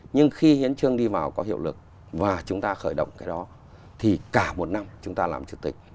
nhưng khi hiến trương đi vào có hiệu lực và chúng ta khởi động cái đó thì cả một năm chúng ta làm chủ tịch